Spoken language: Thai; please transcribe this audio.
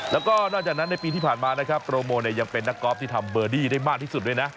แล้วก็นอกจากนั้นในปีที่ผ่านมานะครับโปรโมเนี่ยยังเป็นนักกอล์ฟที่ทำเบอร์ดี้ได้มากที่สุดด้วยนะ